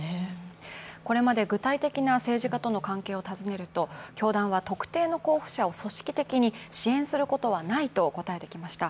これまで具体的な政治家との関係を尋ねると、教団は特定の候補者を組織的に支援することはないと答えてきました。